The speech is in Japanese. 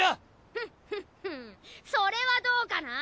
フッフッフーそれはどうかな？